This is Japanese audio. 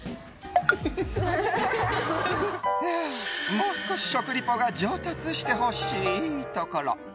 もう少し食リポが上達してほしいところ。